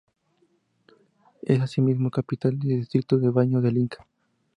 Es asimismo capital del distrito de Baños del Inca.